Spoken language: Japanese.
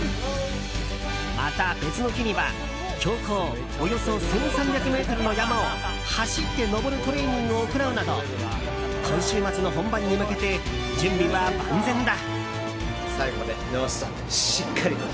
また、別の日には標高およそ１３００ｍの山を走って登るトレーニングを行うなど今週末の本番に向けて準備は万全だ。